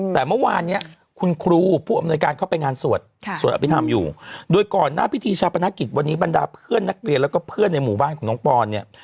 แต่เมื่อวานเนี้ยคุณครูผู้อำนวยการเข้าไปงานสวดสวดอภิษฐรรมอยู่โดยก่อนหน้าพิธีชาปนกิจวันนี้บรรดาเพื่อนนักเรียนแล้วก็เพื่อนในหมู่บ้านของน้องปอนเนี่ย